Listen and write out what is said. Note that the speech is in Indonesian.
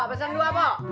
pak pesan dua pak